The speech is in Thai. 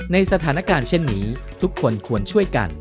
ในสถานการณ์เช่นนี้ทุกคนควรช่วยกัน